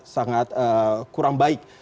sangat kurang baik